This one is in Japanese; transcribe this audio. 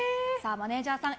マネジャーさん